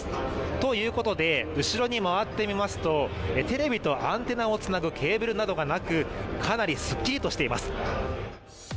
ということで、後ろに回ってみますとテレビとアンテナをつなぐケーブルなどがなくかなりすっきりとしています。